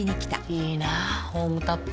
いいなホームタップ。